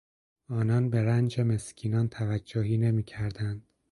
آنان به رنج مسکینان توجهی نمیکردند.